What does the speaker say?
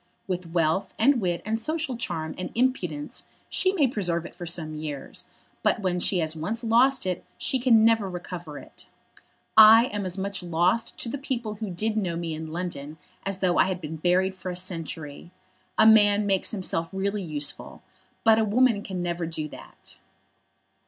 With wealth, and wit, and social charm, and impudence, she may preserve it for some years, but when she has once lost it she can never recover it. I am as much lost to the people who did know me in London as though I had been buried for a century. A man makes himself really useful, but a woman can never do that."